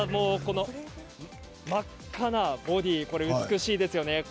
真っ赤なボディ、美しいですよね。